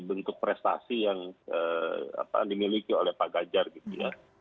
bentuk prestasi yang dimiliki oleh pak ganjar gitu ya